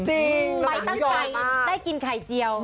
จริงเราบาทไม่น้อยมากไปตั้งใจได้กินไข่เจียว